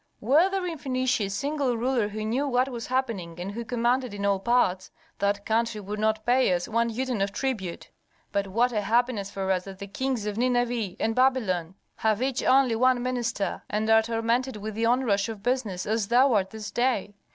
"Were there in Phœnicia a single ruler who knew what was happening and who commanded in all parts, that country would not pay us one uten of tribute. But what a happiness for us that the kings of Nineveh and Babylon have each only one minister, and are tormented with the onrush of business as thou art this day.